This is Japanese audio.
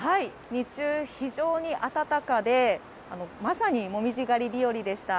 日中非常に暖かで、まさにもみじ狩り日和でした